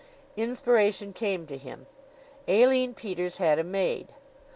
Inspiration came to him. Aline Peters had a maid!